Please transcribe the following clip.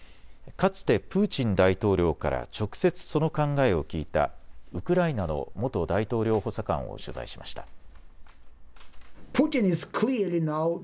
かつてプーチン大統領から直接その考えを聞いたウクライナの元大統領補佐官を取材しました。